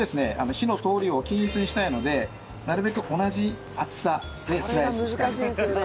火の通りを均一にしたいのでなるべく同じ厚さでスライスして。